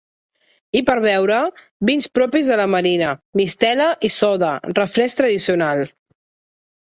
I per a beure, vins propis de la Marina, mistela, i soda, refresc tradicional.